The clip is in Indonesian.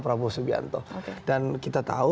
prabowo subianto dan kita tahu